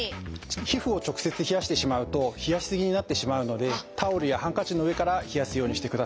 皮膚を直接冷やしてしまうと冷やし過ぎになってしまうのでタオルやハンカチの上から冷やすようにしてください。